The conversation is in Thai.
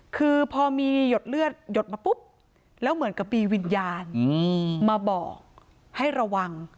คือพอมีหยดเลือดหยดมาปุ๊บแล้วเหมือนกับมีวิญญาณมาบอกให้ระวัง